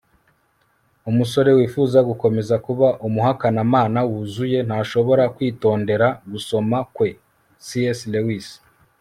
umusore wifuza gukomeza kuba umuhakanamana wuzuye ntashobora kwitondera gusoma kwe - c s lewis